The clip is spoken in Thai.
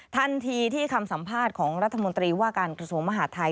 ทันทีที่คำสัมภาษณ์ของรัฐมนตรีว่าการกระทรวงมหาดไทย